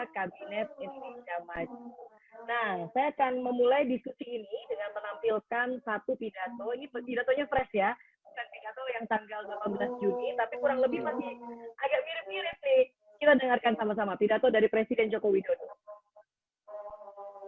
kita dengarkan sama sama pidato dari presiden joko widodo